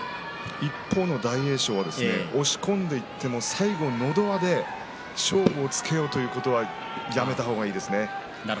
一方の大栄翔は押し込んでいって最後のど輪で勝負をつけようということはやめた方がいいですね。